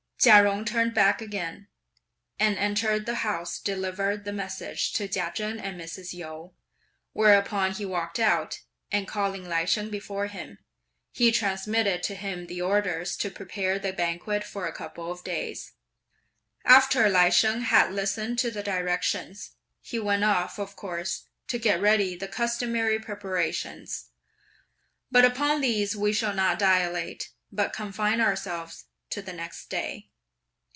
Chia Jung turned back again, and entering the house delivered the message to Chia Chen and Mrs. Yu; whereupon he walked out, and, calling Lai Sheng before him, he transmitted to him the orders to prepare the banquet for a couple of days. After Lai Sheng had listened to the directions, he went off, of course, to get ready the customary preparations; but upon these we shall not dilate, but confine ourselves to the next day.